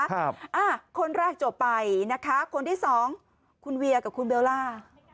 ครับอ่ะคนแรกจบไปนะคะคนที่สองคุณเวียกับคุณเบลล่า